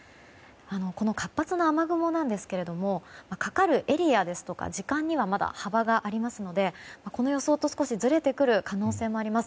この活発な雨雲なんですけれどもかかるエリアですとか時間には幅がありますのでこの予想とは少しずれてくる可能性もあります。